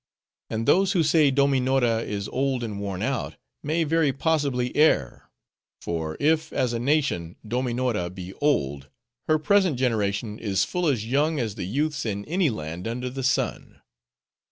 And those who say, Dominora is old and worn out, may very possibly err. For if, as a nation, Dominora be old—her present generation is full as young as the youths in any land under the sun.